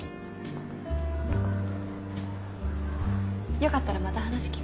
よかったらまた話聞かせてね。